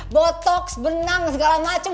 botoks benang segala macem